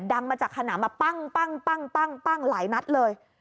ดังมาจากขนำอ่ะปั้งปั้งปั้งปั้งปั้งหลายนัดเลย